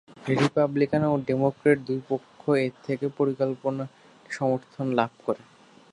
Republican ও Democrat দুই পক্ষ থেকে এ পরিকল্পনাটি সমর্থন লাভ করে।